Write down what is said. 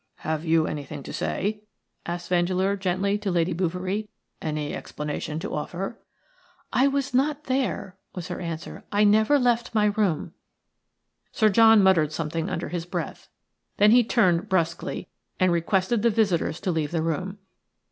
"Have you anything to say?" asked Vandeleur, gently, to Lady Bouverie. "Any explanation to offer?" "I was not there," was her answer. "I never left my room." Sir John muttered something under his breath; then he turned brusquely and requested the visitors to leave the room.